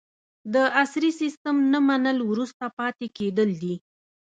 د عصري سیستم نه منل وروسته پاتې کیدل دي.